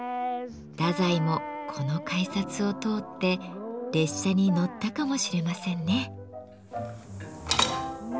太宰もこの改札を通って列車に乗ったかもしれませんね。